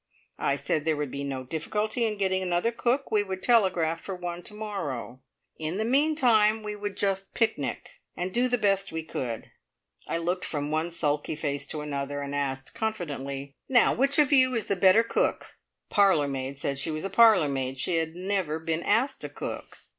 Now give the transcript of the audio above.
I said there would be no difficulty in getting another cook we would telegraph for one to morrow; in the meantime we would just picnic, and do the best we could. I looked from one sulky face to another, and asked confidently: "Now, which of you is the better cook?" The parlour maid said she was a parlour maid. She had never been asked to cook.